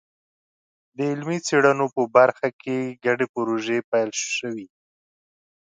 د علمي څېړنو په برخه کې ګډې پروژې پیل شوي.